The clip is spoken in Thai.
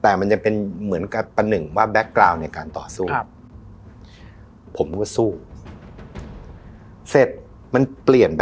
แต่มันจะเป็นเหมือนกับปะหนึ่งว่าในการต่อสู้ครับผมก็สู้เสร็จมันเปลี่ยน